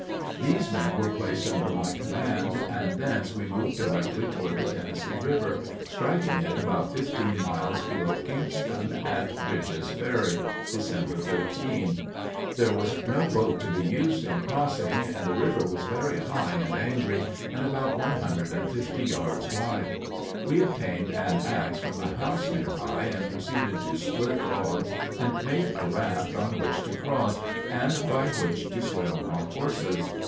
These men were placed under my command, and thence we moved directly toward the Tennessee River, striking it about fifteen miles below Kingston, at Bridges's Ferry, December 13. There was no boat to be used in crossing, and the river was very high and angry, and about one hundred and fifty yards wide. We obtained an ax from a house near by, and proceeded to split logs and make a raft on which to cross, and by which to swim our horses.